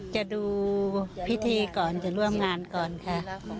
จะดูพิธีก่อนจะร่วมงานก่อนค่ะ